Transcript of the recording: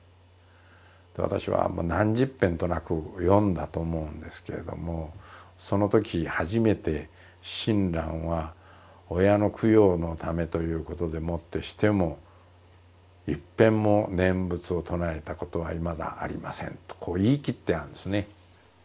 私はもう何十ぺんとなく読んだと思うんですけれどもそのとき初めて親鸞は親の供養のためということでもってしてもいっぺんも念仏を唱えたことはいまだありませんとこう言い切ってあるんですね。